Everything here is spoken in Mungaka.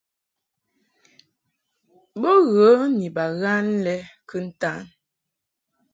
Bo ghə ni baghan lɛ kɨntan.